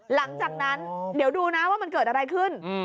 หลังจากนั้นเดี๋ยวดูนะว่ามันเกิดอะไรขึ้น